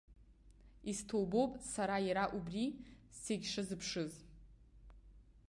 Исҭоубоуп сара иара убри сегьшазыԥшыз.